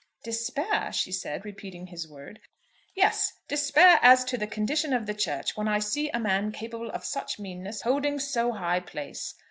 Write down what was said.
"Despair!" she said, repeating his word. "Yes; despair as to the condition of the Church when I see a man capable of such meanness holding so high place.